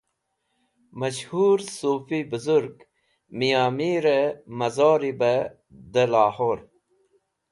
Mash Hur Sufi Buzurg Mian Mire Mazori be de Lahor